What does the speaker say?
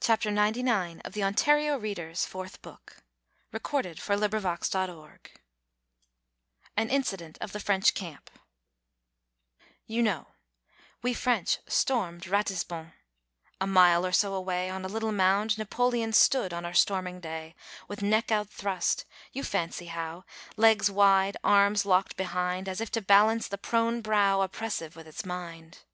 ted by common consent) Was no more than his due who brought good news from Ghent. Browning AN INCIDENT OF THE FRENCH CAMP You know, we French stormed Ratisbon: A mile or so away, On a little mound, Napoleon Stood on our storming day; With neck out thrust, you fancy how, Legs wide, arms locked behind, As if to balance the prone brow Oppressive with its mind.